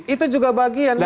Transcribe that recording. itu juga bagian